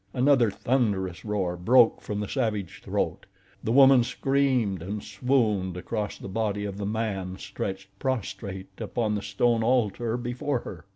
Another thunderous roar broke from the savage throat, the woman screamed and swooned across the body of the man stretched prostrate upon the stone altar before her.